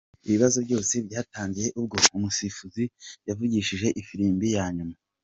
Ibibazo byose byatangiye ubwo umusifuzi yavugije ifirimbi ya nyuma.